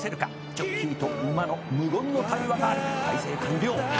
「ジョッキーと馬の無言の対話があり態勢完了！」